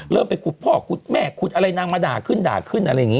เริ่มไปขุดพ่อขุดแม่ขุดอะไรนางมาด่าขึ้นอะไรอย่างนี้